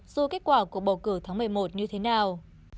dù kết quả của bầu cử tháng một mươi một như thế nào